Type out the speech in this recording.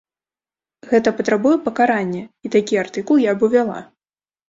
Гэта патрабуе пакарання, і такі артыкул я б увяла.